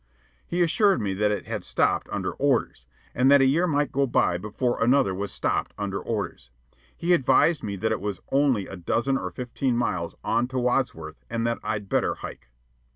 He assured me that it had stopped under orders, and that a year might go by before another was stopped under orders. He advised me that it was only a dozen or fifteen miles on to Wadsworth and that I'd better hike.